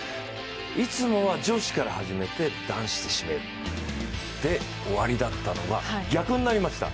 いつもは女子から初めて男子で締めるで終わりだったのが、逆になりました。